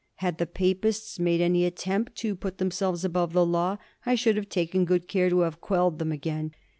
Had the Papists made any attempt to put themselves above the law, I should have taken good care to have quelled them again.